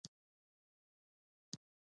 د روښانفکرو مسیر حقانیت ثابتوي.